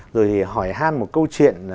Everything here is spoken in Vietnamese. rồi hỏi han một câu chuyện